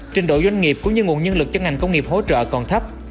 trình độ doanh nghiệp cũng như nguồn nhân lực cho ngành công nghiệp hỗ trợ còn thấp